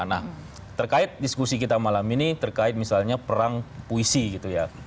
nah terkait diskusi kita malam ini terkait misalnya perang puisi gitu ya